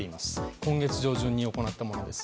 今月上旬に行ったものです。